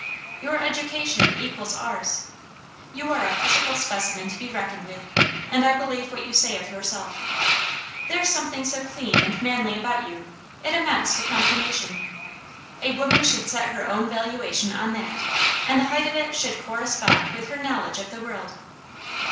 Your education equals ours. You are a physical specimen to be reckoned with, and I believe what you say of yourself. There's something so clean and manly about you, it amounts to confirmation. A woman should set her own valuation on that; and the height of it should correspond with her knowledge of the world."